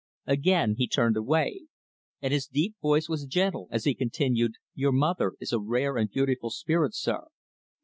Again he turned away; and his deep voice was gentle as he continued, "Your mother is a rare and beautiful spirit, sir.